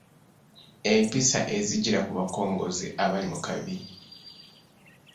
Empisa ezijjira ku bakongozzi abali mu kabi.